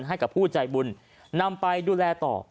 ให้กับผู้ใจบุญนำไปดูแลต่อ